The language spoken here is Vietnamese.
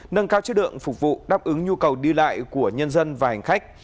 nâng cao chất lượng phục vụ đáp ứng nhu cầu đi lại của nhân dân và hành khách